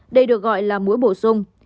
đây được gọi là mũi bổ sung